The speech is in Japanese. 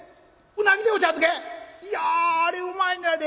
いやあれうまいねやで。